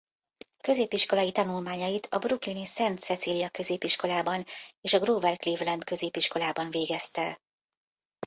Középiskolai tanulmányait a brooklyni Szent Cecilia középiskolában és a Grover Cleveland középiskolában végezte.